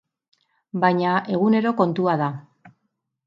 Baina, eguneroko kontua da.